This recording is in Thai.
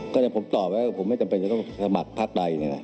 ก็ผมตอบว่าผมไม่จำเป็นจะต้องสมัครพักใด